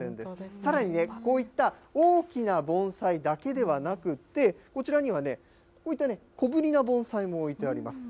さらに、こういった大きな盆栽だけではなくて、こちらにはね、こういった小ぶりな盆栽も置いてあります。